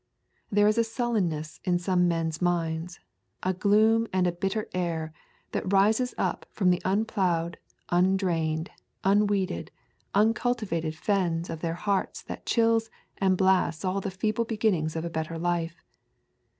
There is a sullenness in some men's minds, a gloom and a bitter air that rises up from the unploughed, undrained, unweeded, uncultivated fens of their hearts that chills and blasts all the feeble beginnings of a better life.